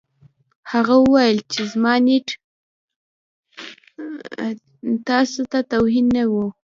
هغه وویل چې زما نیت تاسو ته توهین نه و